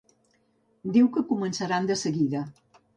Diu que començaran de seguida.